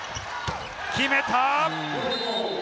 決めた！